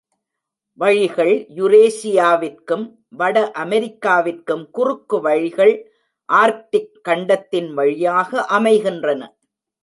வழிகள் யுரேஷியாவிற்கும் வட அமெரிக்காவிற்கும் குறுக்கு வழிகள் ஆர்க்டிக் கண்டத்தின் வழியாக அமைகின்றன.